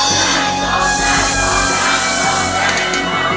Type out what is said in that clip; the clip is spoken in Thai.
ร้องได้ร้องได้ร้องได้ร้องได้ร้องได้